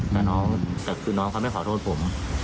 แต่น้องเขาไม่ขอโทษผม